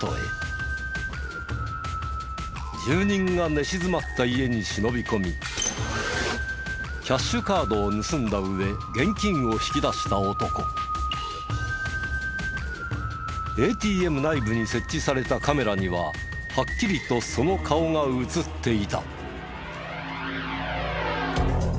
住人が寝静まった家に忍び込みキャッシュカードを盗んだ上ＡＴＭ内部に設置されたカメラにははっきりとその顔が映っていた。